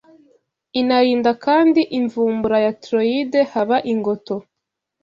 inarinda kandi imvubura ya thyroid haba ingoto